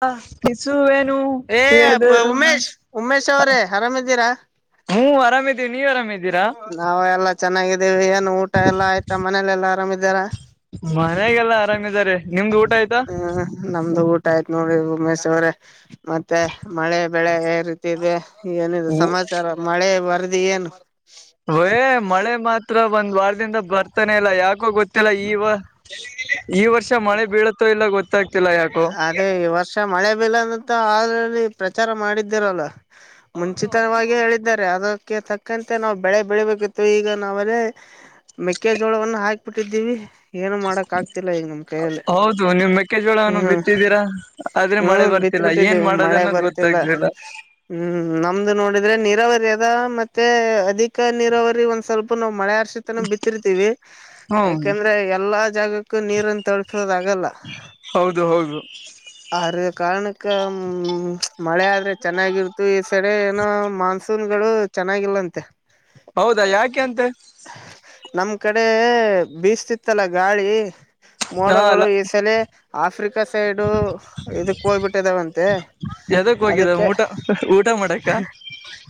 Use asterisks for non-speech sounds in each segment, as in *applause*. ಹ ಪಿಸು ವೆನು ಏ ಎದರು ಉಮೇಶ್ ಉಮೇಶ್ ಅವ್ರೇ *unintelligible* ಆರಾಮಿದ್ದೀರಾ ಹ್ಮ ಅರಾಮದೀವೀ ನೀವ ಆರಾಮ್ದೀರಾ ನಾವು ಎಲ್ಲಾ ಚೆನ್ನಾಗಿದ್ದೀವಿ ಏನು ಊಟ ಎಲ್ಲಾ ಆಯ್ತಾ ಮನೇಲೆ ಎಲ್ಲಾ ಆರಾಮಿದ್ದಾರಾ ಮನ್ಯಾಗ ಎಲ್ಲಾ ಆರಾಮದ್ದಾರೆ ಹಾ ನಮ್ದು ಊಟ ಆಯ್ತು ನೋಡ್ರಿ ಉಮ್ಮೇಶ್ ಅವ್ರೇ ಮತ್ತೆ ಮಳೆ ಬೆಳೆ ಯಾವ ರೀತಿ ಇದೆ ಏನಿದ ಸಮಾಚಾರಾ ಮಳೆ ವರದಿ ಏನು ವೇ ಮಳೆ ಮಾತ್ರ ಒಂದ್ ವಾರದಿಂದ ಬರ್ತಾನೆ ಇಲ್ಲಾ ಯಾಕೋ ಗೊತ್ತ ಲ್ಲ ಈ ಈ ವರ್ಷ ಮಳೆ ಬೀಳತ್ತೋ ಇಲ್ಲೊ ಗೊತ್ತಾಗ್ತಿಲ್ಲಾ. ಅದೇ ಈ ವರ್ಷ ಮಳೆ ಬಿಲ್ಲ ಅನಂತ ಆಲ್ಲಿ ಪ್ರಚಾರ ಮಾಡಿದ್ದಿರಲ್ಲಾ ಹೌದು ಅದು ಮುಂಚಿತವಾಗಿಯೇ ಹೇಳಿದ್ದಾರೆ. ಅದಕ್ಕೆ ತಕ್ಕಂತೆ ನಾವು ಬೆಳೆ ಬೆಳಿಬೇಕಿತ್ತು ಈಗ ನಾವ್ರೇ ಮೆಕ್ಕೆಜೋಳವನ್ನ ಹಾಕ್ ಬಿಟ್ಟಿದ್ದೀವಿ ಏನು ಮಾಡಕ್ ಆಗ್ತಿಲ್ಲಾ ಈಗ ನಮ್ ಕೈಯಲ್ಲಿ ಹೌದು ನಿಮ್ಮ ಮೆಕ್ಕೆಜೋಳ ಹ್ ಹ್ ಬಿತ್ತ ಬರ್ತಿಲ್ಲ ಏನ್ ಬಿಟ್ಟಿದ್ದೀವಿ ಮಾಡೋದ ಮಳೆ ಅನ್ನೋದು ಬರ್ತಿಲ್ಲಾ ಗೊತ್ತಾಗ್ಲಿಲ್ಲ ಹ್ಮ್ ನಮ್ದು ನೋಡಿದ್ರೆ ನೀರಾವರಿ ಅದ ಮತ್ತೆ ಅಧಿಕ ನೀರಾವರಿ ಒಂದ್ ಸ್ವಲ್ಪ ನಾವ್ ಮಳೆ ಅಷ್ ಬಿತ್ತಿರ್ತೀವಿ ಹ್ಮ್ ಯಾಕೆಂದ್ರೆ ಎಲ್ಲಾ ಜಾಗಕ ಕ್ಕ ನೀರನ್ನು ತಳ್ಸೋದ ಆಗಲ್ಲಾ ಹೌದು ಹೌದು. ಅರ ಕಾರಣಕ್ಕ ಹ್ಮ ಮಳೆ ಆದ್ರೆ ಚೆನ್ನಾಗಿರ್ತು ತಡೆ ಏನೋ ಮಾನ್ಸೂನ್ ಗಳು ಚೆನ್ನಾಗಿಲ್ಲಂತೆ. ಹೌದಾ ಯಾಕೆ ಅಂತೆ ನಮ್ ಕಡೆ ಬೀಸ್ತಿತ್ತಲ್ಲಾ ಗಾಳಿ ಹಾ ಅಲ್ಲ ಮೋಡಗಳು ಈಸಲೇ ಆಫ್ರಿಕಾ ಸೈಡು ಇದಕ್ಕ ಹೋಗ್ಬಿಟ್ಟದಾವಂತೆ ಎದಕ್ ಹೋಗಿದ ಅದಕ್ಕೆ ಊಟ ಊಟ ಮಾಡಕ್ಕ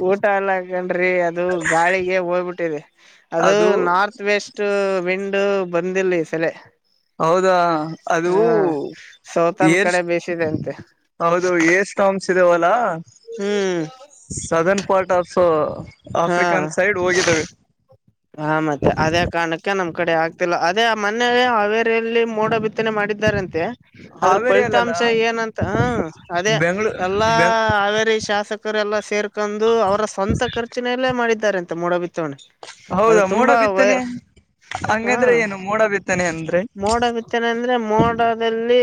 ಊಟ ಅಲ್ಲಾ ಕಂಡ್ರಿ ಅದು ಗಾಳಿಗೆ ಹೋಗ್ ಬಿಟ್ಟಿದೆ ಅದು ನಾರ್ತ್ ವೆಸ್ಟ್ ಇಷ್ಟು ವಿಂಡ್ ಬಂದಿಲ ಈ ಸಲೆ. ಹೌದಾ ಅದು ಸೌತನ್ ಏರ್ ಕಡೆ ಬೇಸಿದೆ ಅಂತೆ. ವೆಷ್ಟಾಟೌಸ್ ಇದೇವಲ್ಲಾ, ಹುಂ southern part of African side ಹೋಗಿದ್ದಾವೆ ಹ ಮತ್ತೆ ಅದೇ ಕಾರಣಕ್ಕೆ ನಮ್ ಕಡೆ ಆಗ್ತಿಲ್ಲ ಅದೇ ಆ ಮೋನೇ ಹಾವೇರಿಯಲ್ಲಿ ಮೋಡ ಬಿತ್ತ ಬಿತ್ತನೆ ಮಾಡಿದ್ದಾರಂತೆ. ಅದ್ರ ಹಾವೇರಿ ಅಲ್ಲಲ್ಲ ಫಲಿತಾಂಶ ಏನಂತ ಹ ಅದೇ ಬೆಂಗ್ಳೂ ಎಲ್ಲಾ ಬೆಂಗ ಹಾವೇರಿ ಶಾಸಕ ಕರೆ ಎಲ್ಲಾ ಸೇರ್ಕೊಂಡು ಅವರ ಸ್ವಂತ ಖರ್ಚಿನಲ್ಲೇ ಮಾಡಿದ್ದಾರೆ ಅಂತಾ ಮೋಡ ಬಿತ್ತನೆ. ಹೌದಾ ಮೋಡ ಬಿತ್ತನೆ ಹ ಹಂಗಂದ್ರೆ ಏನು ಮೋಡ ಬಿತ್ತನೆ ಅಂದ್ರೆ. ಮೋಡ ಬಿತ್ತನೆ ಅಂದ್ರೆ ಮೋಡದಲ್ಲಿ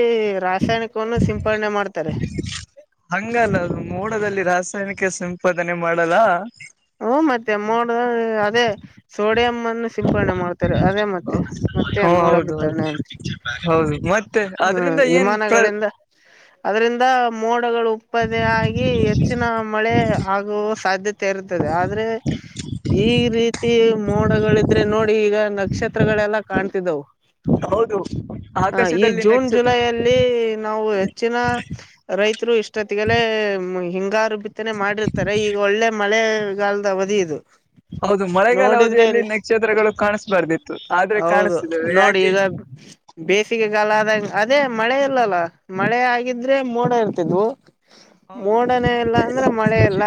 ರಾಸಾಯನಿಕವನ್ನು ಸಿಂಪಡಣೆ ಮಾಡ್ತಾರೆ. ಹಂಗಲ್ಲ ಅದು ಮೂಡದಲ್ಲಿ ರಾಸಾಯನಿಕ ಸಂಪಾದನೆ ಮಾಡಲ್ಲಾ. ಹುಂ ಮತ್ತೆ ಮೋಡ ಅದೇ ಸೋಡಿಯಂ ಅನ್ನು ಸಿಂಪಡಣೆ ಮಾಡ್ತಾರೆ ಅದೇ ಮತ್ತೆ ಮತ್ತೆ ಹ್ಮ ಎನ್ ಮೋಡ ಹೌದು ಬಿತ್ತೆ ಹೌದು ಅಂದ್ರೆ. ಹೌದು ಮತ್ತೆ ಅದ್ರಿಂದ ಏನ್ ಪ್ ವಿಮಾನಗಳಿಂದ ಅದರಿಂದ ಮೋಡಗಳು ಉತ್ಪಾದನೆ ಆಗಿ ಹೆಚ್ಚಿನ ಮಳೆ ಆಗುವ ಸಾಧ್ಯತೆ. ಆಗ್ತಾದ್ದೆ ಆದ್ರೆ ಈ ರೀತಿ. ಮೋಡಗಳಿದ್ರೆ ನೋಡಿ ಈಗ ನಕ್ಷತ್ರಗಳೆಲ್ಲಾ ಕಾಣ್ತಿದ್ದವು. ಹೌದು ಹ ಈ ಆಕಾಶದಲ್ಲಿ ಜೂನ್ ನಕ್ಷತ್ರ. ಜುಲೈಯಲ್ಲಿ ನಾವು ಹೆಚ್ಚಿನ ರೈತರು ಇಷ್ಟೊತ್ತಿಗೆ ಹಿಂಗಾರು. ಬಿತ್ತನೆ ಮಾಡಿರ್ತಾರೆ ಈಗ ಒಳ್ಳೆ ಮಳೆಗಾಲದ ಅವಧಿ ಇದು. ಹೌದು ಮಳೆಗಾಲ ನೋಡಿದ್ರೆ ಅವಧಿಯಲ್ಲಿ ಇಲ್ಲಿ ನಕ್ಷತ್ರಗಳು ಕಾಣಿಸಬಾರ್ದಿತ್ತು ಆದ್ರೆ ಹೌದು ಕಾಣಿಸ್ತಿದೆ ಯಾಕೆ. *unintelligible* ಬೇಸಿಗೆಗಾಲ ಆದಂಗ ಅದೇ ಮಳೆ ಇಲ್ಲಲ್ಲ ಮಳೆ ಆಗಿದ್ರೆ ಮೋಡ ಇರ್ತಿದ್ವು. ಹೌದು ಮೋಡನೇ ಇಲ್ಲ ಅಂದ್ರೆ ಮಳೆ ಇಲ್ಲ.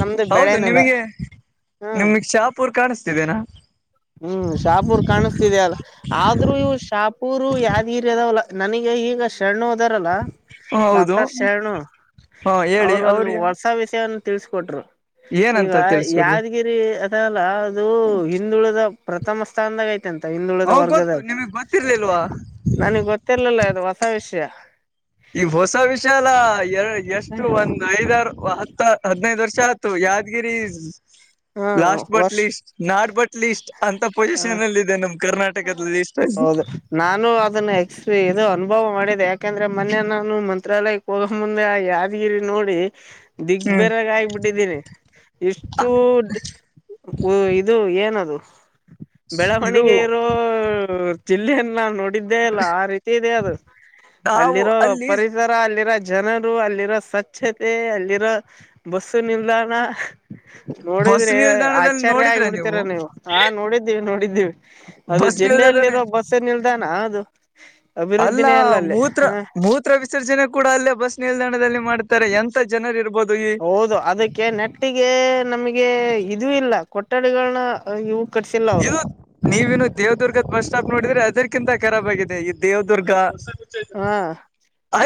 ನಮ್ದು ಹೌದು ಬೆಳೆನೆಲ ನಿಮಗೆ ಹ್ಮ್ ನಿಮ್ಗ್ ಶಾಪೂರ್ ಕಾಣಿಸ್ತಿದ್ದೇನಾ. ಹ್ಮ್ ಶಾಪೂರ್ ಕಾಣಿಸ್ತಿದ್ಯಲ್ಲ ಆದ್ರೂ ಇವು ಶಾಪೂರು ಯಾದ್ಗರಿ ಅದಾವಲ್ಲ ನನಗೆ ಈಗ. ಶರಣು ಹದಾರಲ್ಲ ಹೌದು ಡಾಕ್ಟರ್ ಶರಣು ಹಾ ಹೇಳಿ ಅವರು ಒಂದು ಅವ್ರಿಗೆ ಹೊಸ ವಿಷಯ. ತಿಳಿಸಕೊಟ್ರು ಈಗ ಏನಂತ ತಿಳ್ಸ್ಕೊಡ್ರಿ ಯಾವದ. ಯಾದಗಿರಿ ಅದೆಅಲ್ಲ ಅದು ಹಿಂದುಳಿದದ ಪ್ರಥಮ ಸ್ಥಾನದಾಗ ಐತಿ. ಹಿಂದುಳಿದ ಹ ವರ್ಗದ ಗೊತ್ತು ನಿಮಗ್ ಗೊತ್ತಿರ್ಲಿಲ್ವಾ ನನಗ್ ಗೊತ್ತಿರ್ಲಿಲ್ಲ ಅದು ಹೊಸ ವಿಷಯ. ಈ ಹೊಸ ವಿಷಯ ಎಲ್ಲಾ ಎಷ್ಟು ಒಂದ್ ಐದಾರ ಹತ್ತ ಹದ್ನೈದು ವರ್ಷ ಆಯತು ಯಾದ್ಗಿರಿ ಹ್ಮ ಲಾಸ್ಟ್ ಬಟ್ ವರ್ಷ ಲಿಸ್ಟ್ ನಾಡ್ ಬಟ್ಲಿ ಲಿಸ್ಟ್ ಅಂತ ಹ ಪೊಸಿಷನ್ ಅಲ್ಲಿ ಇದೆ ನಮ ಕರ್ನಾಟಕದ ಲಿಸ್ಟ್ ಅಲ್ಲಿ ಹೌದು ನಾನು ಅದನ್ನ ಎಕ್ಸ್ ಇದು ಅನುಭವ ಮಾಡಿದೆ ಯಾಕಂದ್ರೆ ಮೊನ್ನೆ ನಾನು ಮಂತ್ರಾಲಯ. ಹೋಗ ಮುಂದೆ ಯಾದಗಿರಿ ನೋಡಿ ಹ್ಮ್ ದಿಗ್ಬೇರಾಗ ಆಗಬಿಟ್ಟಿದ್ದೀನಿ. ಇಷ್ಟು ಇದು ಏನದು ಇದು ಬೆಳವಣಿಗೆ. ಚಿಲ್ಲಿಯನ್ನ ನಾ ನೋಡಿದ್ದೆ. ಇಲ್ಲ ಆ ರೀತಿ ಇದೆ ಅದು ನಾವು ಅಲ್ಲಿರೋ ಅಲ್ಲಿ ಪರಿಸರ. ಅಲ್ಲಿರ ಜನರು ಅಲ್ಲಿರೋ ಸ್ವಚ್ಛತೆ ಅಲ್ಲಿರೋ ಬಸ್ಸು ನಿಲ್ದಾಣ. ಬಸ್ ನೋಡಿದ್ರಿ ನಿಲ್ದಾಣದಲ್ಲಿ ಅಚಾರ್ಯ ನೋಡಿದ್ರೆ ಆಗಬಿಡ್ತೀರ ನೀವು ಹಾ ನೋಡಿದ್ರಿ. ನೋಡಿದ್ದೀವಿ ಅದು ಬಸ್ ನಿಲ್ದಾಣನೆ ಜಿಲ್ಲೆಯಲ್ಲಿರೋ ಬಸ್ಸ ನಿಲ್ದಾಣ ಅದು. ಅಭಿವೃದ್ಧಿನೇ ಅಲ್ಲ ಅಲ್ಲಿ ಮೂತ್ರ ವಿಸರ್ಜನೆ ಕೂಡ ಅಲ್ಲೇ ಬಸ್ ನಿಲ್ದಾಣದಲ್ಲಿ ಮಾಡುತ್ತಾರೆ ಎಂತ. ಎಂತ ಜನರು ಇರ್ಬಹದು. ಹೌದು ಅದಕ್ಕೆ ನೆಟ್ಟಿಗೆ ನಮಗೆ ಇದೂ ಇಲ್ಲ ಕೊಠಡಿಗಳನ್ನ ಇವು. ಕಟ್ಸಿಲ್ಲ ಅವರು ಇದು ನೀವನು ದೇವ್ದುರ್ಗದ ಬಸ್ ಸ್ಟಾಪ್ ನೋಡಿದ್ರೆ ಅದಕಿಂತ ಕಾರಾಬ್ ಆಗಿದೆ ಈ ದೇವದುರ್ಗಾ. ಹಾ ಹಾ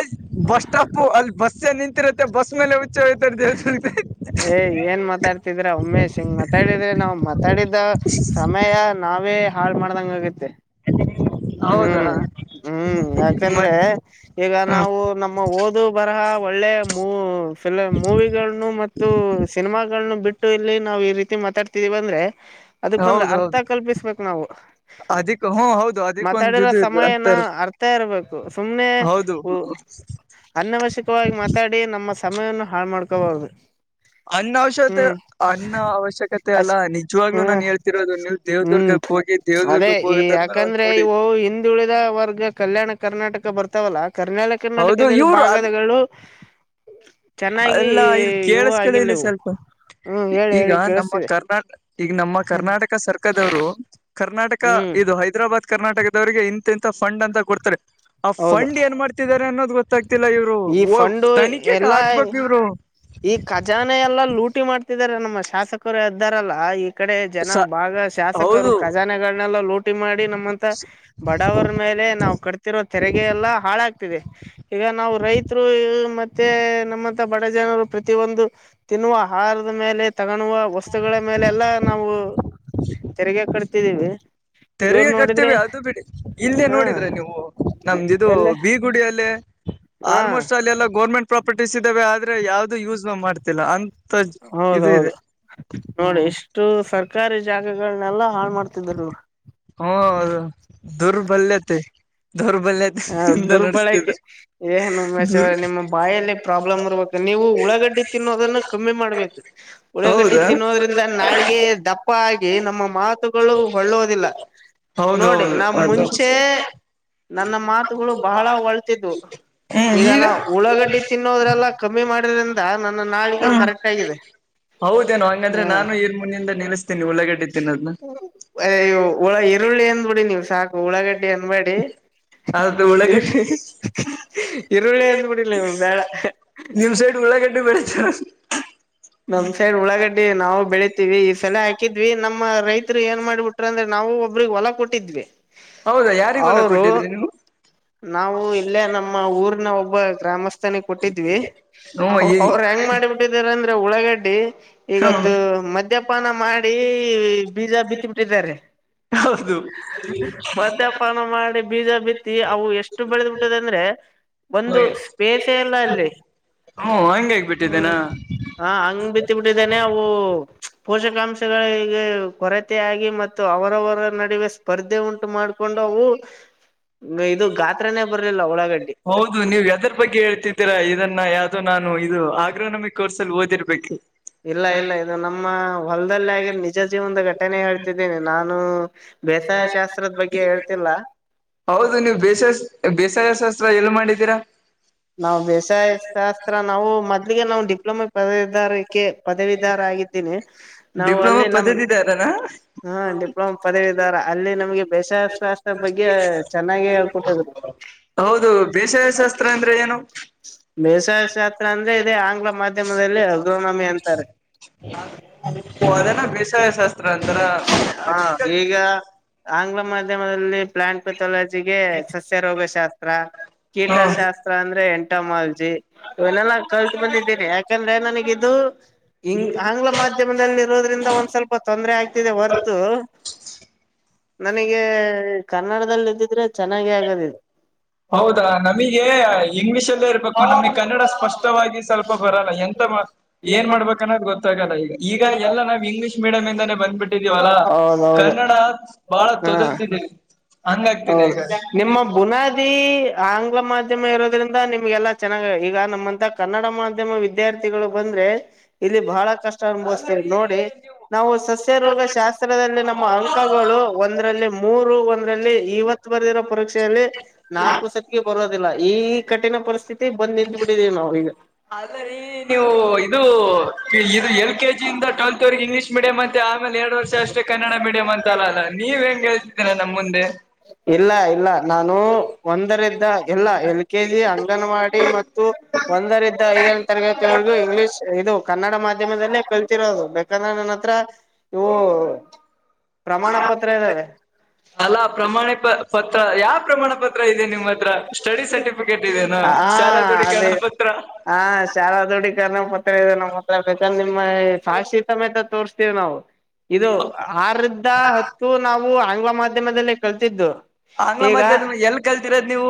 ಬಸ್ ಸ್ಟಾಪು ಅಲ್ಲಿ ಬಸ್ಸೇ ನಿಂತಿರುತ್ತೆ ಬಸ್ ಮೇಲೆ. *unintelligible* ಏ ಏನ್ ಮಾತಾಡ್ತಿದ್ರ ಉಮೇಶ್ ಸಿಂಗ್ ಮಾತಾಡಿದ್ರೆ ಮತ್ ಮಾತ್ತಡಿದ್ರೆ ಸಮಯ ನಾವೇ ಹಾಳ್ ಮಾಡ್ದಂಗ ಆಗುತ್ತೆ. ಹೌದಾ ಹ್ಮ್ ಹ್ಮ್ ಯಾಕಂದ್ರೆ ಮತ್ ಈಗ ಹ್ಮ ನಾವು ನಮ್ಮ. ಓದು ಬರಹ ಒಳ್ಳೆ ಮೂ ಫಿಲಂ ಮೂವಿಗಳನ್ನು ಮತ್ತು ಸಿನಿಮಾಗಳನು ಬಿಟ್ಟು ಇಲ್ಲಿ ನಾವವು ಈ ರೀತಿ ಮಾತಾಡ್ತಿದೀವಿ ಅಂದ್ರೆ. ಅದಕ್ಕೊಂದ್ರ ಅರ್ಥ ಹೌದೌದು ಕಲ್ಪಿಸ್ಬೇಕು ನಾವು ಅದಿಕ್ ಹ್ಮ ಹೌದು ಅದಕ್ಕೊಂದು ಮಾತಾಡಿರೋ ಇದು ಇ ಸಮಯನ ಹತ್ತಾರ ಅರ್ಥ. ಇರ್ಬೇಕು ಸುಮ್ನೆ. ಹೌದು ಅನವಶ್ಯಕವಾಗಿ ಮಾತಾಡಿ ನಮ್ಮ ಸಮಯವನ್ನು ಹಾಳು ಮಾಡಕೋಬಹುದು. ಅನ್ನ ಅವಶ್ಯಕತೆ ಅನ್ನ ಅವಶ್ಯಕತೆ ಅಷ್ ಅಲ್ಲಾ ನಿಜವಾಗ್ಲೂ ಹ್ಮ್ ನಾನು ಹೇಳ್ತಿರೋದು ನಿಲ್. ಹ್ಮ್ ಅದೇ ಈ ಒಂದ್ ಯಾಕಂದ್ರೆ ನೋಡಿ ಇವು. ತುಳಿದ ವರ್ಗ ಕಲ್ಯಾಣ ಕರ್ನಾಟಕ ಬರ್ತಾವಲ್ಲ ಕ್ರನಳಿ ಹೌದು ಕರ್ನಾಟಕದಲ್ಲಿ ಇವ್ರು ಅಲ್ ಭಾಗದಗಳು. *unintelligible* ಚೆನ್ನಾಗಿ ಅಲ್ಲ ಇಲ್ಲಿ ಇವು ಕೇಳಸಕೊರಿ ಆಗಿಲ್ಲ ಇಲ್ಲಿ ಇವು ಸ್ವಲ್ಪ. *unintelligible* ಹ್ಮ್ ಹೇಳಿ ಈಗ ಹೇಳಿ ನಮ್ಮ ಕೇಳಿಸ್ತಿದೆ ಕರ್ನಾಟ ಈಗ ನಮ್ಮ ಕರ್ನಾಟಕ ಸರ್ಕಾರ *unintelligible* ರ್ಕಾರದರು ಕರ್ನಾಟಕ ಹ್ಮ್ ಇದು ಹೈದ್ರಾಬಾದ್ ಕರ್ನಾಟಕದವರಿಗೆ ಇಂಥ ಇಂಥ ತ ಫಂಡ್ ಅಂತ ಕೊಡ್ತಾರೆ. *unintelligible* ಆ ಹೌದು ಫಂಡ್ ಏನ್ ಮಾಡ್ತಿದಿದ್ದಾರೆ ಅನ್ನೋದು ಗೊತ್ತಾಗ್ತಿಲ್ಲ ಇವ್ರು ಓ ತನಿಖೆ *unintelligible* ಇಲ್ಲಾಯ *unintelligible* ಈ ಖಜಾನೆ ಎಲ್ಲಾ ಲೂಟಿ ಮಾಡ್ತಿದಿದ್ದಾರೆ ನಮ್ಮ ಶಾಸಕರು ಎದ್ದಾರಲ್ಲಾ ಈ *unintelligible* ಈ ಕಡೆ ಜನ ಸ ಭಾಗ ಶಾಸಕರು ಹೌದು ಖಜಾನೆಗಳನ್ನೆಲ್ಲ ಲೋಟ್ *unintelligible* ಲೂಟಿ ಮಾಡಿ ನಮ್ಮಂತ ಬಡವರ ಮೇಲೆ ನಾವು ಕಟ್ತಿರೋ ತೆರಿಗೆ ಎಲ್ಲಾ ಹಾಳಾಗ್ತಿದೆ. *unintelligible* ಈಗ ನಾವು? *unintelligible* ರೈತರು ಈಗ *unintelligible* ಎಲ್ಲರ ಮತ್ತೆ ನಮ್ಮಂತ ಬಡ ಜನರು ಪ್ರತಿಯೊಂದು ತಿನ್ನುವ ಹಾರದ ಮೇಲೆ. *unintelligible* ತಗೊನುವ ವಸ್ತುಗಳ ಮೇಲೆ ಎಲ್ಲಾ ನಾವು ತೆರಿಗೆ ಕಟ್ತಿದ್ದೀವಿ. *unintelligible* ತೆರಿಗೆ ಕಟ್ತೀವಿ ಅದು ಬಿಡಿ ಇಲ್ಲೇ ಹ ನೋಡಿದ್ರೆ ನೀವು ನಮ್ದ ಇದು ಎಲ್ಲೇ ಬೀಗ್ *unintelligible* ಗುಡಿಯಲ್ಲಿ ಹ ಆಲ್ಮೋಸ್ಟ್ ಅಲ್ಲಿ ಎಲ್ಲಾ ಗೌರ್ಮೆಂಟ್ *unintelligible* ಪ್ರಾಪರ್ಟೀಸ್ ಇದ್ದಾವೆ ಆದ್ರೆ ಯಾವದು ಯೂಸ್ ಮಾಡ್ತಿಲ್ಲ ಅಂತ ಇದು ಇದೆ. ಹೌದೌದು *unintelligible* ನೋಡಿ ಹ್ಮ್ ಎಷ್ಟು ಸರ್ಕಾರಿ ಜಾಗಗಳನೆೆಲ್ಲಾ ಹಾಳ ಮಾಡ್ತಿದರೆ ಇವರು. *unintelligible* ಹೌದು ದುರ್ಬಲ್ಯತೆ ದುರ್ಬಲ್ಯತೆ *unintelligible* ಹ ದುರ್ಬಳಕೆ. *unintelligible* ಏನ್ ದೂರ್ ಉಮೇಶ್ವರೆ ನಿಮ್ಮ ಬಾಯಲ್ಲಿ ಪ್ರಾಬ್ಲಮ್ ಇರ್ಬೇಕು ನೀವು ಉಳಾಗಡ್ಡಿ ತಿನ್ನೋದನ್ನ ಕಮ್ಮಿ ಮಾಡ್ಬೇಕ. *unintelligible* ಉಳಾಗಡ್ಡಿ ಹೌದಾ ತಿನ್ನೋದ್ರಿಂದ ನಾಳಗೆ ದಪ್ಪ ಆಗಿ ನಮ್ಮ ಮಾತು *unintelligible* ಮಾತುಗೋಳು ಹೊಳ್ಳೋದಿಲ್ಲ ನೋಡಿ ಹೌದೌದು ನಾ ಅದು ಮುಂಚೆ? *unintelligible* ನನ್ನ ಮಾತುಗಳು ಬಹಳ ಒಳ್ತಿದ್ವು ಈಗ ನಾ ಉಳ್ಳಗಡ್ಡಿ. *unintelligible* ತಿನ್ನೋದ್ರೆಲ್ಲ ಕಮ್ಮಿ ಮಾಡಿರಿಂದ *unintelligible* ತಾನನಾ *unintelligible* ಹೌದೇನು ಹಂಗಂದ್ರೆ ಹಾ ನಾನು ಇರ್ ಮುನಿಂದ ನಿಲ್ಸ್ತೀನಿ ಉಳ್ಳಾಗಡಿ ತಿನ್ನೋದ್ನಾ? *unintelligible* ಏ ಉಳ್ಳ ಈರುಳ್ಳಿ ಅಂದಬೀಡಿ ನೀವು ಸಾಕು ಉಳ್ಳಾಗಡ್ಡಿ ಅನ್ನಬೇಡಿ. *unintelligible* ಅದು ಉಳ್ಳಾಗಡ್ಡಿ ಈರುಳ್ಳೇ ಅಂದಬಿಡಿಲ್ಲ ಇವ ಬೇಡಾ. ನಿಮ್ *unintelligible* *unintelligible* ನಮ್ಮ ಸೈಡ್ ಉಳಾಗಡ್ಡೆ ನಾವು ಬೆಳಿತೀವಿ ಈ ಸಲೆ ಹಾಕಿದ್ವಿ ನಮ್ಮ ರೈತರು ಏನ್ ಮಾಡ್ಬಿಟ್ಟ *unintelligible* ಅಂದ್ರೆ ನಾವು ಒಬ್ರಿಗೆ ಹೊಲ ಕೊಟ್ಟಿದ್ವಿ. *unintelligible* ಹೌದಾ ಯಾರಿಗ ಹೊಲ ಅವರು ಕೊಟ್ಟಿದ್ರಿ ನೀವು? *unintelligible* ನಾವು ಇಲ್ಲೇ ನಮ್ಮ ಊರಿನ ಒಬ್ಬ ಗ್ರಾಮಸ್ಥನಿಗ ಕೊಟ್ಟಿದ್ವಿ ಹ್ಮ ಈ ಅವರು ಹೆಂಗ್ ಮಾಡಿಬಟ್ಟ *unintelligible* ಬಿಟೀದ್ರಿ ಅಂದ್ರೆ ಉಳಾಗಡ್ಡಿ ಈಗ ಹ್ಮ ಅದು ಮತ್ *unintelligible* ಮದ್ಯಪಾನ ಮಾಡಿ ಬೀಜ ಬಿತ್ತಿ ಬಿಟ್ಟಿದ್ದಾರೆ. ಹೌದು *inaudible* *unintelligible* ವದ್ಯಾಪಾನ ಮಾಡಿ ಬೀಜ ಬಿತ್ತಿ ಅವು ಎಷ್ಟು ಬೆಳೆದ್ಬಿಟ್ಟದ ಅಂದ್ರೆ? *unintelligible* ಒಂದು ಸ್ಪೇಸೇ ಇಲ್ಲ ಅಲ್ಲಿ. *unintelligible* ಹೋ ಹಂಗೇ ಆಗಬಿಟ್ಟಿದ್ದೇನಾ? *unintelligible* ಹಾ ಹಂಗ್ ಬಿತ್ತ ಬಿಟ್ಟಿದ್ದೇನೆ ಅವು ಪೋಷಕಾಂಶಗಳಿಗೆ ಕೊರೇ *unintelligible* ಕೊರತೆ ಆಗಿ ಮತ್ತು ಅವರವರ ನಡುವೆ ಸ್ಪರ್ಧೆ ಉಂಟು ಮಾಡ್ಕೊಂಡು ಅವು *unintelligible* ಇದು ಗಾತ್ರನೇ ಬರ್ಲಿಲ್ಲ ಉಳ್ಳಾಗಡ್ಡಿ ಹೌದು ನೀವ ಹೆದರ *unintelligible* ಎದರ ಬಗ್ಗೆ ಹೇಳ್ತಿದ್ದೀರಾ ಇದನ್ನ ಯಾವ್ದೋ ನಾನು ಇದು ಆಗ್ರ ನಮಿ ಕೋರ್ಸ ಅಲ್ಲಿ ಓದಿರ್ಬೇಕ. *unintelligible* ಇಲ್ಲ ಇಲ್ಲ ಇದು ನಮ್ಮ ಹೊಲ್ದದಲ್ಲಿ ಆಗಿರುವ ನಿಜ ಜೀವನದ ಘಟನೆ ಹೇಳ್ತಿದ್ದೇನೆ ನಾನು *unintelligible* ಬೇಸಾಯ ಶಾಸ್ತ್ರದ ಬಗ್ಗೆ ಹೇಳ್ತಿಲ್ಲ? *unintelligible* ಹೌದು ನೀವ್ ಬೇಸಸ ಬೇಸಾಯ ಶಾಸ್ತ್ರ ಎಲ್ಲಿ ಮಾಡಿದ್ದೀರಾ ನೀವು? *unintelligible* ನಾವ್ ಬೇಸಾಯ ಶಾಸ್ತ್ರ ನಾವು ಮೊದ್ಲಿಗೆ ನಾವ್ ಡಿಪ್ಲೊಮಾ ಕರಿದಿದ್ದರೆ. ಕ ಪದವೀಧರ ಆಗಿದ್ದೀನಿ ನಾವು ಅಲ್ಲಿ ನಮ. ಹ. ಹಾ ಡಿಪ್ಲೊಮಾ ಪದವಿದಾರ ಅಲ್ಲಿ ನಮ್ಗೆ ಬೇಸರ ಶಾಸ್ತ್ರದ ಬಗ್ಗೆ ಚೆನ್ನಾಗ ಹೇಳ್ಕೊಟ್ಟಿದರು.. ಹೌದು ಬೇಷಯಾ ಶಾಸ್ತ್ರ ಅಂದ್ರೆ ಏನು? ಬೇಸಾಯ ಶಾಸ್ತ್ರ ಅಂದ್ರೆ ಇದೇ ಆಂಗ್ಲ ಮಾಧ್ಯಮದಲ್ಲಿ ಅಗ್ರನಮಿ ಅಂತಾರೆ. ಅದನ ಬೇಸಾಯ ಶಾಸ್ತ್ರ ಅಂದರ್. ಹಾ ಈಗ ಆಂಗ್ಲ ಮಾಧ್ಯಮದಲ್ಲಿ ಪ್ಲಾಂನ್ ಪೆಥಾಲಜಿಗೆ ಸಸ್ಯ ರೋಗ ಶಾಸ್ತ್ರ.. ಕೇಟಾ ಹ್ಮ ಶಸ್.. ತ್ರ ಅಂದ್ರೆ ಎಂಟ ಮಾಲ್ಜಿ ಇವನ್ನಲ್ಲಾ ಕಲ್ತ್ ಬಂದಿದ್ದ ದೇನಿ ಯಾಕಂದ್ರೆ ನನಗಿದು.. ಇಂಗ್ ಆಂಗ್ಲ ಮಾಧ್ಯಮದಲ್ಲಿ ಇರೋದ್ರಿಂದ ಒಂದ್ ಸ್ವಲ್ಪ ತೊಂದ್ರರೆ ಆಗ್ತಿದೆ ಹೊರ್ತು. ನನಗೆ ಕನ್ನಡದಲ್ಲ ಇದ್ದಿದ್ರೆ ಚೆನ್ನಾಗಿ ಆಗದ ಇದು. ಹೌದಾ ನಮಗ ಇಂಗ್ಲಿಷ್ಲ್ಲೇ ಇರ್ಬೇಕು ನಮ್ನ ಕನ್ನಡ ಸ್ಪಷ್ಟವಾಗಿ ಸ್ವಲ್ಪ ಬರಲ್ಲ ಎಂತ ಮಾಡದ್. ಏನ್ ಮಾಡ್ಬೇಕನ್ನೋದುಗೊತ್ತಾಗಲ್ಲ ಈಗ ಈಗ ಎಲ್ಲ ನಾವ್ ಇಂಗ್ಲೀಷ್ ಮೀಡಿಯಂ ಇಂದಾನೇ ಬಂದ್ಬಿಟ್ಟಿದೀವಲ್ಲಾ. ಹೌದೌದು ಕನ್ನಡ ಬಾಳ ಹಾ ತೊದರ್ತಿದೆ ಹಂಗ ಆಗ್ತಿದೆ ಈಗ.. ಹಿ... ಆಂಗ್ಲ ಮಾಧ್ಯಮ ಇರೋದ್ರಿಂದ ನಿಮ್ಗೆಲ್ಲಾ. ಚೆನ್ನಾಗ ಈಗ ನಮ್ಮಂತ ಕನ್ನಡ ಮಾಧ್ಯಮ ವಿದ್ಯಾರ್ಥಿಗಳು ಬಂದ್ರೆ ಇಲ್ಲಿ ಬಹಳ ಕಷ್ಟ. ಅಲ್ಲ ಸ್ತವಿ ರೀ ನೋಡಿ ನೀವು ನಾವು ಸಸ್ಯ ರೋಗ ಶಾಸ್ತ್ರ. ನಮ್ಮ ಅಂಕಗಳು ಒಂದರಲ್ಲಿ ಮೂರು ಒಂದರಲ್ಲಿ ಇವತ್ತು ಬರೆದಿರ ಪರೀಕ್ಷೆ. ನಾಲ್ಕು ಸತಿಗೆ ಬರೋದಿಲ್ಲ ಈ ಕಠಿಣ ಪರಿಸ್ಥಿತಿ ಬಂದ್ ನಿತ್ ಬಿಟ್ಟಿದೀ ನಾವ ಈಗ. ಅಲ್ಲಾ ರಿ ನೀವು ಇದು ಇದು ಎ. ಕೆ ಜಿ ಯ ಟ್ವೆಲ್ತ್ವರೆ ಇಂಗ್ಲಷ ಮೀಡಿಯ್ ಅಂತೆ ಆಮೇಲೆ ಎರ ವರ್ಷಷ್ಟೇ. ಕನ್ನಡ ಮೀಡಿಯಂ ಅಂತ ಅಲ್ಲ ಅಲ್ಲ ನೀವ್ ಹೆಂಗ್ ಹೇಳ್ತಿದ್ದೇನ ನಮ್ ಮುಂದೆ. ಇಲ್ಲ ಇಲ್ಲ ನಾನು ಒಂದರಇಂದ ಎಲ್ಲ ಎಲ್ ಕೆ ಜಿ ಅಂಗನವಾಡಿ. ಮತ್ತು ಒಂದರಿಂದ ಐದ ತರಗತಿವರೆಗೂ ಇಂಗ್ಲಿಷ್ ಇದು. ಕನ್ನಡ ಮಾಧ್ಯಮದಲ್ಲೇ ಕಲ್ತಿರೋದು ಬೇಕಂದ್ರೆ ನನ್ನ ಹತ್ರ ಇವು. ಪ್ರಮಾಣ ಪತ್ರ ಇದ್ದಾವೆ. ಅಲ್ಲ ಪ್ರಮಾಣಿ ಪ. ಪತ್ರ ಯಾವ ಪ್ರಮಾಣ ಪತ್ರ ಇದೆ ನಿಮ್ಮ್ ಹತ್ರ ಸ್ಟಡಿ ಸರ್ಟಿಫಿಕೇಟ್ ಇದೆನಾ ಹ ಶಾಲಾ ದುಡಿಕರಣ ಅದೇ ಪತ್ರ. ಹಾ ಶಾಲಾದುಡಿ ಕರ್ ನ ಪತ್ರ ಇದೆ ನಮ್ಮ್ ಹತ್ರ ಬೇಕಂದ್ರೆ ನಿಮ್ಮ ಸಾಕ್ಷಿ ಸಮೇತ ತೋರ್ಸ್ತೀವಿ ನಾವು. ಇದು ಆರ್ರಂದ ಹತ್ತು ನಾವು ಆಂಗ್ಲ ಮಾಧ್ಯಮದಲ್ಲಿ ಕಲ್ತಿದ್ದು. ಆಂಗ್ಲ ಈಗ ಮಧ್ಯದ ಎಲ್ಲಿ ಕಲ್ತಿರೋದು ನೀವು.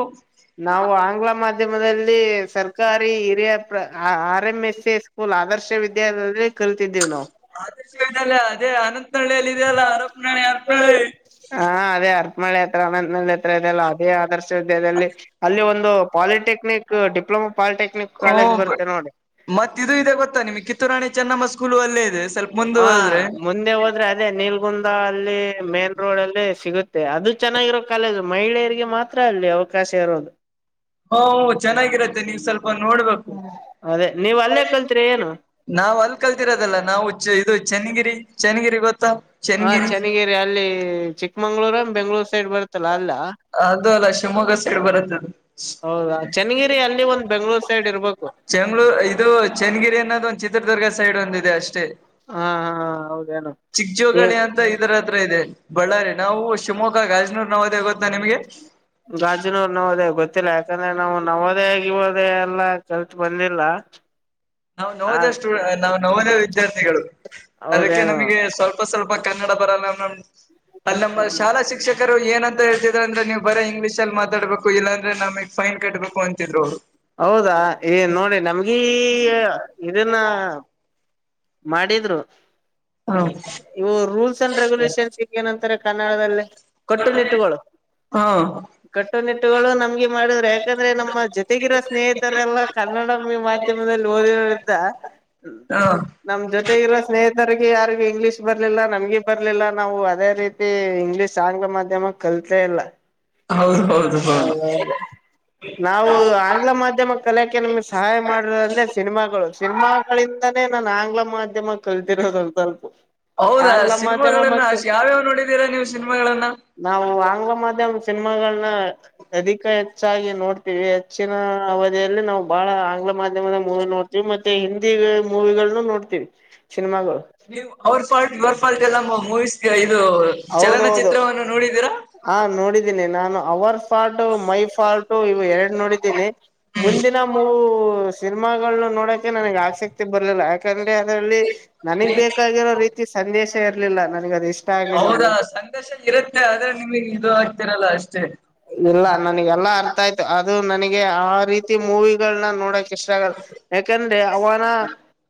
ನಾವು ಆಂಗ್ಲ ಮಾಧ್ಯಮದಲ್ಲಿ ಸರ್ಕಾರಿ ಹಿರಿಯ ಪ್ರ ಹಾ. R M S A school Adarsha ವಿದ್ಯಾಲಯದಲ್ಲಿ ಕಲಿತಿದ್ದೇವಿ ನಾವು. ಅಧರ್ಶ ವಿದ್ಯಾಲಯ ಅದೇ ಅನಂತನಹಳ್ಳಿಯಲ್ಲಿ ಇದೆಯಲ್ಲ ಅರಪನಳಿ ಅರನಾಳಿ. ಹಾ ಅದೇ ಹರಪನಹಳ್ಳಿ. ಹತ್ರ ಇದೆ ಅಲ್ಲ ಅದೇ ಆದರ್ಶ ವಿದ್ಯದಲ್ಲಿ ಅಲ್ಲಿ ಒಂದು ಪಾಲಿಟೆಕ್ನಿಕ್ ಡಿಪ್ಲೊಮಾ. ಪಾಲಿಟೆಕ್ನಕ್. ಹಓ ಮತ್ತ ಇದು ಇದ ಗೊತ್ತಾ ನಿಮ್ ಕಿತ್ತೂರಾಣಿ ಚೆನ್ನಮ್ಮ ಸ್ಕೂಲು ಅಲ್ಲೇ ಇದೆ ಸ್ವಲ್ಪ. ಹ ಮುಂದೆ ಹೋದ್ರೆ ಮುಂದೆ ಹೋದ್ರೆ ಅದೇ ನೀಲ್ಗುಂದ ಅಲ್ಲಿ ಮೇನ್ ರೋಡ್ ಅಲ್ಲಿ ಸಿಗುತ್ತ. ಮತ್ತ ಅದು ಚೆನ್ನಾಗಿರೋ ಕಾಲೇಜ್ ಮಹಿಳೆಯರಿಗೆ ಮಾತ್ರ ಅಲ್ಲಿ ಅವಕಾಶ ಇರೋದು. ಹಓ ಚೆನ್ನಾಗಿರತ್ತೆ ನೀವು ಸ್ವಲ್ಪ. ನೋಡ್ಬೇಕು. ಹ ಅದೇ ನೀವ್ ಅಲ್ಲೇ ಕಲ್ತ್ರಿ ಏನು. ನಾವ್ ಅಲ್ಲಿ ಕಲ್ತಿರೋದಲ್ಲ ನಾವು ಇದು ಚನ್ನಗಿರಿ ಚನ್ನಗಿರಿ ಗೊತ್ತಾ. ಹ ಚನ್ನಗಿರಿ ಚೆನ್ನಗಿರಿ ಅಲ್ಲಿ ಚಿಕ್ಕಮಂಗಳೂರ್ ಅವನ್ ಬೆಂಗಳೂರ್ ಸೈಡ್ ಬರುತ್ತಲ್ಲ ಅಲ್ಲಾ. ಅದು ಅಲ್ಲ ಶಿವಮೊಗ್ಗ ಸೈಡ್ ಬರುತ್ತದೆ ಅದು. ಹೌದಾ ಚೆನ್ನಗಿರಿ ಅಲ್ಲಿ ಒಂದ್ ಬೆಂಗಳೂರ್ ಸೈಡ್ ಇರ್ಬೇಕು. ಚಂಗ್ಳೂರ್ ಇದು ಚನ್ನಗಿರಿ ಅನ್ನೋದು ಒಂದು ಚಿತ್ರದುರ್ಗ ಸೈಡ್ ಒಂದಿದೆ ಅಷ್ಟೇ. ಹಾ ಹಾ ಹೌದೇನು ಹೆ ರ ಹತ್ರ ಇದೆ ಬಳ್ಳಾರಿ ನಾವು ಶಿವಮೊಗ್ಗ ಗಾಜನೂರ್ ನಾವು ಹೋದೆವ್ ಗೊತ್ತಾ ನಿಮ್ಗೆ. ಜಜೂನೂರ್ ನೋದೇ ಗೊತ್ತಿಲ್ಲ ಯಾಕಂದ್ರೆ ನಾವು ನವೋದಯಾ ಗಿವೋದಯ್ ಎಲ್ಲಾ ಕಲ್ತ್ ಬಂದಿಲ್ಲ. ನಾವು ಆ ನೋವೋಧಯ ಸ್ಟೂಡ್ ನಾವು ನವೋದಯ ವಿದ್ಯಾರ್ಥಿಗಳು ಅದಕ್ಕೆ ಹೌದೇನು ನಮಗೆ ಸ್ವಲ್ಪ ಸ್ ಸ್ವಲ್ಪ ಕನ್ನಡ ಬರಲ್ಲ ಅಲ್ಲ ನಮ್ಮ ಅಲ್ಲಿ ನಮ್ಮ ಶಾಲಾ ಶಿ ಶಿಕ್ಷಕರು ಏನಂತ ಹೇಳ್ತಿದ್ರು ಅಂದ್ರೆ ನೀವು ಬರೆ ಇಂಗ್ಲೀಷ ಅಲ್ಲಿ ಮಾತಾಡ್ಬೇಕು ಇಲ್ಲಾಂದ್ರೆ ನಮಗ್ ಫೈನ್ ಕಟ್ಬೇಕು ಅಂತಿದ್ರು ಅವರು. ಹೌದಾ ಏ ನೋಡಿ ನಮಗೀ ಇದನ್ನು ಮಾಡಿದ್ರು ಹ್ಮ ಇವು ರೂಲ್ಸ್ ಅಂಡ್ ರೆಗ್ಯುಲೇಷನ್ಸ್ ಈಗ ಏನಂತಾರೆ ಕನ್ನಡದಲ್ಲಿ. ಕೊಟ್ಟು ನಿಟ್ಟುಗಳು ಹಾ ಕಟ್ಟುನಿಟ್ಟುಗಳು ನಮ್ಗೆ ಮಾಡುದ್ರ ಯಾಕಂದ್ರೆ ನಮ್ಮ ಜೊತೆಗಿರೋ ಸ್ನೇಹಿತರೆಲ್ಲ ಕನ್ನಡ ಮಾಧ್ಯ ಮದಲ್ಲಿ ಓದಿರೋರ್ ಇರತ್ತಾ ಹಾ ನಮ್ ಜೊತೆ ಇರೋ ಸ್ನೇಹಿತರಿಗೆ ಯಾರಿಗೆ ಇಂಗ್ಲೀಷ್ ಬರ್ಲಿಲ್ಲ ನಮ್ಗೆ ಬರ್ಲಿಲ್ಲ ನಾವು ಅದೇ ರೀತಿ ತಿ ಇಂಗ್ಲೀಷ್ ಆಂಗ್ಲ ಮಾಧ್ಯಮ ಕಲ್ತಾ ಇಲ್ಲ. ಹೌದು ಹೌದು ಹೌದು ಹೌದೌದು ನಾವು ಆಂಗ್ಲ ಮಾಧ್ಯಮ ಕಲಕೆ ನಮ್ಗೆ ಸಹಾಯ ಮಾಡಿ ಅಂದ್ರೆ ಸಿನಿಮಾಗಳು ಸಿನಿಮಾಗಳಿಂದಾನೇ ನಾನ್ ಆಂಗ್ಲ ಮಾಧ್ಯಮ ಕಲ್ತಿರೋದು ಸ್ವಲ್ಪ್ ಹೌದಾ ಆಂಗ್ಲ ಮಾಧ್ಯಮ ಸಿನಿಮಾಗಳನ್ನ ಮತ್ತು ಯಾವ್ಯಾವ ನೋಡಿದೀರಾ ನೀವು ಸಿನಿಮಾಗಳನ್ನ ನಾವು ಆಂಗ್ಲ ಮಾಧ್ಯಮ ಸಿನಿಮಾಗಳನ್ನ ಅಧಿಕ ಹೆಚ್ಚಾಗಿ ನೋಡ್ತೀವಿ ಹೆಚ್ಚಿನ ಅವಧಿಯಲ್ಲಿ ನಾವು ಬಹಳ ಆಂಗ್ಲ ಮಾಧ್ಯಮದ ಮೂವಿ ನೋಡ್ತವ್ ಮತ್ತೆ ಹಿಂದಿ ಮೂವಿ ಗಳನ್ನು ನೋಡ್ತೀವಿ ಸಿನಿಮಾಗಳು. ನೀವು ಅವರ್ ಫಾಲ್ಟ್ ಯರ್ ಫಾಲ್ಟ್ ಎಲ್ಲ ಮೂವೀಸ್ಗೆ ಇದು ಹೌದೌದು ಚಲನಚಿತ್ರವನ್ನು ನೋಡಿದೀರಾ. ಹಾ ನೋಡಿದ್ದೀನಿ ನಾನು ಅವರ್ಸ್ ಫಾಲ್ಟ ಮೈ ಫಾಲ್ಟ ಇವು ಎರಡು ನೋಡಿದೀನಿ ಮುಂದಿನ ಮೂ ಸೀ ನಿಮಾಗಳ ನೋಡೋಕೆ ನನಗ್ ಆಸಕ್ತಿ ಬರಲಿಲ್ಲ ಯಾಕಂದ್ರೆ ಅದರಲ್ಲಿ ನನಗ್ ಬೇಕಾಗಿರೋ ರೀತಿ ಸಂದೇಶ ಇರಲಿಲ್ಲ ನನಗೆ ಅದು ಇಷ್ಟ. ಆಗ್ಲಿಲ್ಲ ಹೌದ ಮೂ ಸಂದೇಶ ಇರುತ್ತೆ ಆದ್ರೆ ನಿಮಗೆ ಇದು ಆಗ್ತಿರಲ್ಲ ಅಷ್ಟೇ. ಇಲ್ಲ ನನಗೆ ಎಲ್ಲಾ ಅರ್ಥ ಆಯ್ತು ಅದು ನನಗೆ ಆ ರೀತಿ ಮೂವಿಗಳನ್ನ ನೋಡಕ್ ಇಷ್ಟ ಆಗಲ್ಲ ಯಾಕಂದ್ರೆ ಅವನ